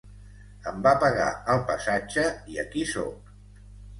Em va pagar el passatge i aquí sóc.